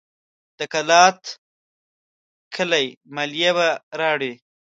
د کلات کلي مالیه به راوړي.